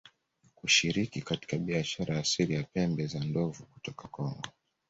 kushiriki katika biashara ya siri ya pembe za ndovu kutoka Kongo